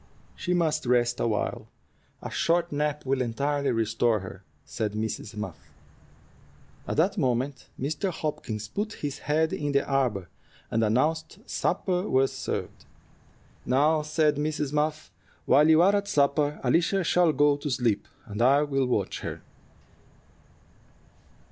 "She must rest awhile. A short nap will entirely restore her," said Mrs. Muff. At that moment Mr. Hopkins put his head in the arbor, and announced supper was served. "Now," said Mrs. Muff, "while you are at supper Alicia shall go to sleep, and I will watch her."